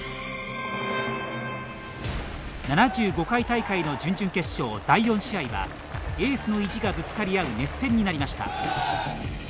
７５回大会の準々決勝第４試合はエースの意地がぶつかり合う熱戦になりました。